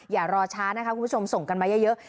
อย่ารอช้านะคะคุณผู้ชมส่งกันมาเยอะ